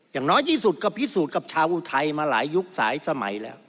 อย่างน้อยที่สุดก็พิสูจน์กับชาวอุทัยมาหลายยุคหลายสมัยแล้ว